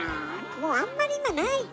もうあんまり今ないけど。